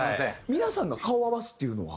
皆さんが顔合わすっていうのは？